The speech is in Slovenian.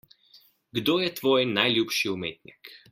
Kdo je tvoj najljubši umetnik?